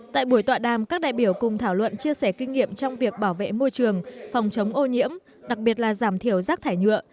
tại buổi tọa đàm các đại biểu cùng thảo luận chia sẻ kinh nghiệm trong việc bảo vệ môi trường phòng chống ô nhiễm đặc biệt là giảm thiểu rác thải nhựa